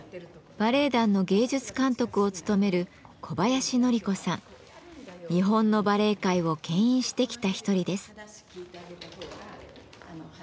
バレエ団の芸術監督を務める日本のバレエ界をけん引してきた一人です。